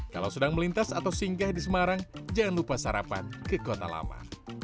kalau sedang melintas atau singgah di semarang jangan lupa sarapan ke kota lama